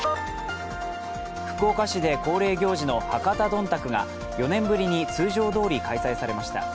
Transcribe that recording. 福岡市で恒例行事の博多どんたくが４年ぶりに通常どおり開催されました。